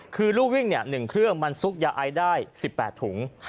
คือรูวิ่ง๑เครื่องมันซุกยาไอได้๑๘ถุง